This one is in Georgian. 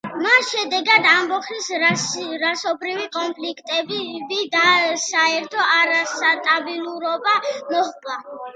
მას შედეგად ამბოხი, რასობრივი კონფლიქტები და საერთო არასტაბილურობა მოჰყვა.